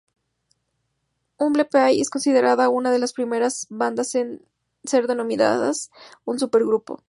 Humble Pie es considerada una de las primeras bandas en ser denominadas un supergrupo.